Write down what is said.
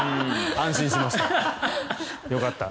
安心しました。